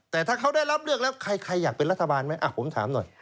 แต่ถ้าเขาได้รับเลือกแล้วใครอยากเป็นรัฐบาลไหมผมถามหน่อย